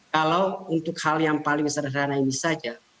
kalau untuk hal yang paling sederhana ini saja